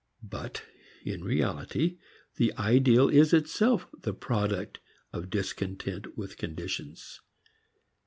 But in reality the ideal is itself the product of discontent with conditions.